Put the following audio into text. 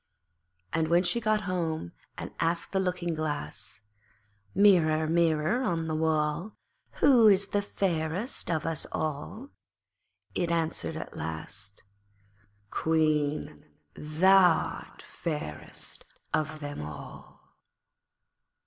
And when she got home and asked the Looking glass 'Mirror, Mirror on the wall, Who is fairest of us all?' it answered at last 'Queen, thou'rt fairest of them all.'